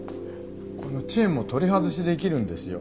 このチェーンも取り外しできるんですよ。